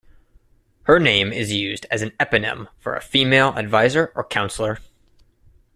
Her name is used as an eponym for a female advisor or counselor.